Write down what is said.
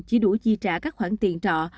chỉ đủ chi trả các khoản tiền trọ